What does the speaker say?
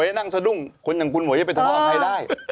หนวยนั่งสะดุ้งคนอย่างคุณหนวยยังไปทะเลาะขายได้